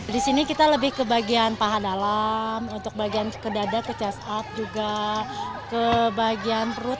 di sini kita lebih ke bagian paha dalam untuk bagian ke dada ke chest out juga ke bagian perut